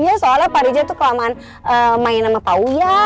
iya soalnya pak rija tuh kelamaan main sama pauwia